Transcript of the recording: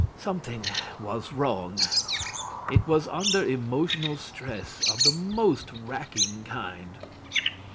Something was wrong. It was under emotional stress of the most racking kind.